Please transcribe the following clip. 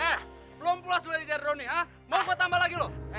eh belum pulas dulu dari jarak roni mau gue tambah lagi loh